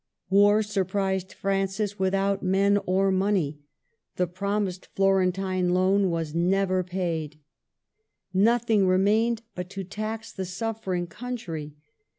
War surprised Francis without men or money. The promised Florentine loan was never paid; THE AFFAIR OF MEAUX. 45 nothing remained but to tax the suffering coun try.